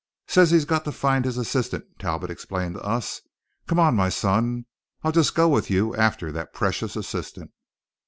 "Says he's got to find his assistant," Talbot explained to us. "Come on, my son, I'll just go with you after that precious assistant."